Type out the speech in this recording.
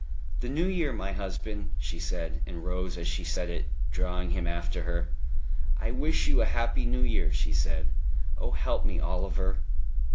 "The New Year, my husband," she said, and rose as she said it, drawing him after her. "I wish you a happy New Year," she said. "Oh help me, Oliver."